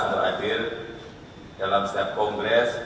untuk hadir dalam setiap kongres